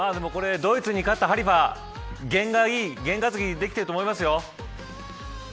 ドイツに勝ってハリーファ験担ぎができていると思います。